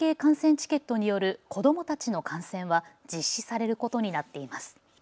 チケットによる子どもたちの観戦は実施されることになっています。